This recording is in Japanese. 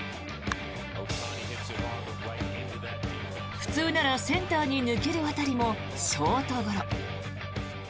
普通ならセンターに抜ける当たりもショートゴロ。